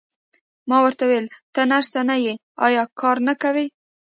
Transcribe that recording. ما ورته وویل: ته نرسه نه یې، ایا کار نه کوې؟